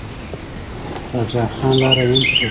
د پاچا خان لاره يې هم پرېښوده.